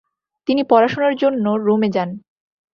তিনি পড়াশোনার জন্য রোমে যান।